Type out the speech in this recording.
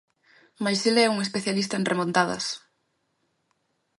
Mais el é un especialista en remontadas.